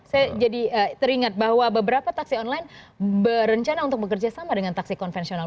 saya jadi teringat bahwa beberapa taksi online berencana untuk bekerja sama dengan taksi konvensional